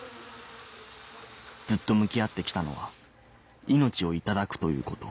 ずっと向き合って来たのは命をいただくということ